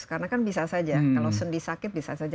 karena kan bisa saja kalau sendi sakit bisa saja